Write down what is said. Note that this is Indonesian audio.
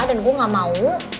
dan gue gak mau